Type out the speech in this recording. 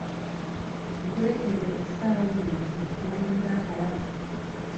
Nkuleetedde essaawa eno ogitwale nga akalabo.